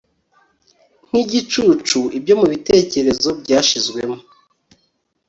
Nkibicucu ibyo mubitekerezo byashizweho